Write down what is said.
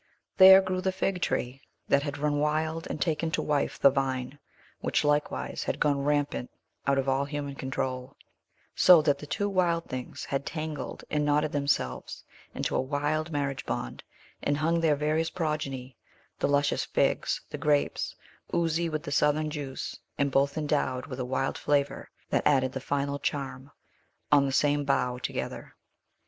There grew the fig tree that had run wild and taken to wife the vine, which likewise had gone rampant out of all human control; so that the two wild things had tangled and knotted themselves into a wild marriage bond, and hung their various progeny the luscious figs, the grapes, oozy with the Southern juice, and both endowed with a wild flavor that added the final charm on the same bough together.